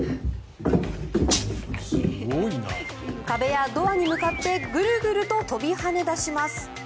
壁やドアに向かってぐるぐると跳びはね出します。